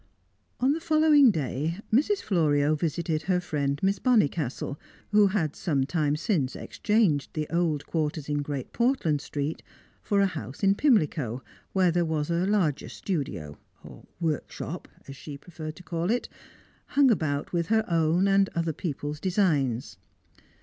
On the following day, Mrs. Florio visited her friend Miss Bonnicastle, who had some time since exchanged the old quarters in Great Portland Street for a house in Pimlico, where there was a larger studio (workshop, as she preferred to call it), hung about with her own and other people's designs.